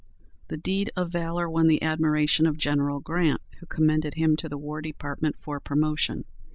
This deed of valor won the admiration of General Grant, who commended him to the War Department for promotion.